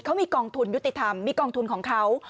เขามีกองทุนยุติธรรมมีกองทุนของเขา